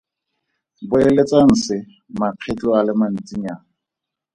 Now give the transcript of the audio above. Boeletsang se makgetlo a le mantsinyana.